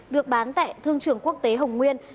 được bán tại thương trường quốc tế hồng nguyên